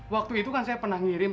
waktu itu kan saya pernah ngirim